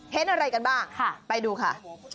เดี๋ยวไปดูค่ะ